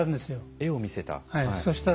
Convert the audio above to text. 絵を見せた？